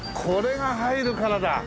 これが入るからだ。